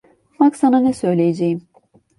Bak sana ne söyleyeceğim.